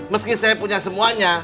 meski saya punya semuanya